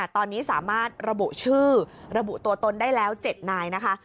ตอนนี้สามารถระบุชื่อระบุตัวตนได้แล้ว๗นายนะคะ